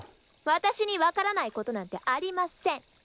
私にわからない事なんてありません。